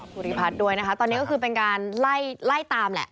ภูริพัฒน์ด้วยนะคะตอนนี้ก็คือเป็นการไล่ตามแหละ